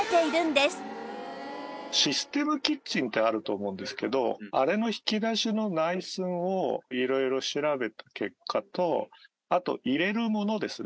システムキッチンってあると思うんですけどあれの引き出しの内寸を色々調べた結果とあと入れるものですね。